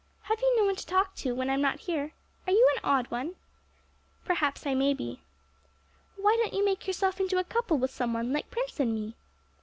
'Have you no one to talk to, when I'm not here? Are you an odd one?' 'Perhaps I may be.' Why don't you make yourself into a couple with some one, like Prince and me?'